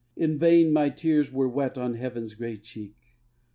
In vain my tears were wet on Heaven's grey cheek.